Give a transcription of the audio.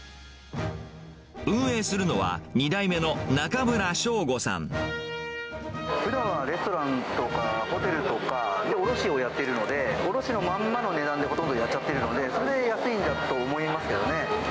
運営するのは、ふだんはレストランとか、ホテルとかに卸をやってるので、卸のまんまの値段でほとんどやっちゃっているので、それで安いんだと思いますけどね。